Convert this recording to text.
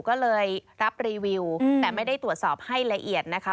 ก็เลยรับรีวิวแต่ไม่ได้ตรวจสอบให้ละเอียดนะคะ